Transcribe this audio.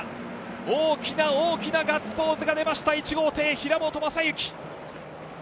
大きな大きなガッツポーズが出ました、１号艇・平本真之。